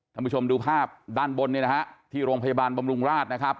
ท่านผู้ชมดูภาพด้านบนเนี่ยนะฮะที่โรงพยาบาลบำรุงราชนะครับ